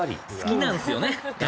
好きなんですよね。